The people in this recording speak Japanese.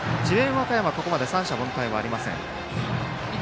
和歌山はここまで三者凡退はありません。